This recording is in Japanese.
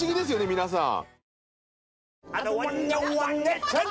皆さん